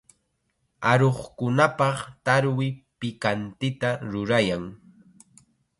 Aruqkunapaq tarwi pikantita rurayan.